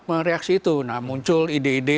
mereaksi itu nah muncul ide ide